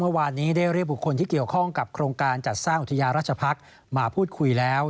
เมื่อวานนี้ได้เรียกบุคคลที่เกี่ยวข้องกับโครงการจัดสร้างอุทยาราชพักษ์มาพูดคุยแล้ว